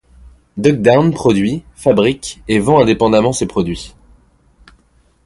Duck Down produit, fabrique et vend indépendamment ses produits.